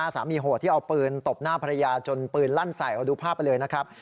โหดที่เอาปืนตบหน้าภรรยาจนปืนลั่นใส่เอาดูภาพไปเลยนะครับ